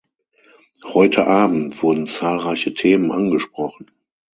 Heute Abend wurden zahlreiche Themen angesprochen.